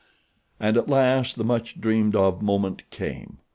And at last the much dreamed of moment came.